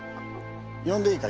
呼んでいいか？